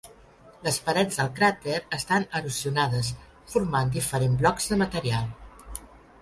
Les parets del cràter estan erosionades, formant diferents blocs de material.